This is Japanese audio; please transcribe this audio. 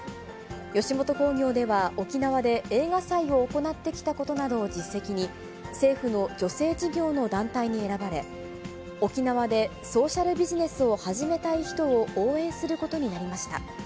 吉本興業では、沖縄で映画祭を行ってきたことなどを実績に、政府の助成事業の団体に選ばれ、沖縄でソーシャルビジネスを始めたい人を応援することになりました。